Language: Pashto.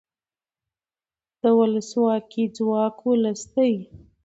د ولسواکۍ ځواک ولس دی